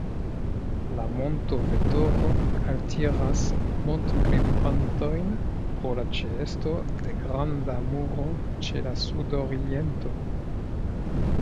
La monto Vetoro altiras montgrimpantojn pro la ĉeesto de granda muro ĉe la sudoriento.